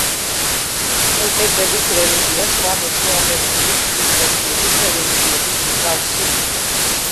ტოლტეკების რელიგია სხვა მესოამერიკული ცივილიზაციების რელიგიების მსგავსი იყო.